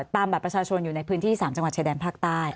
บัตรประชาชนอยู่ในพื้นที่๓จังหวัดชายแดนภาคใต้